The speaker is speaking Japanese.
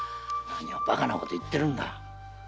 何をバカなこと言ってるんだ。